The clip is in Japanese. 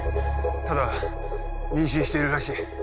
ただ妊娠しているらしい。